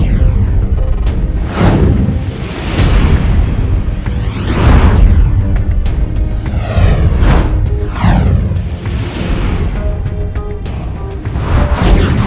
aku akan menangkapmu